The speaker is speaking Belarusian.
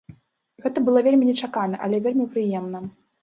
Гэта было вельмі нечакана, але вельмі прыемна.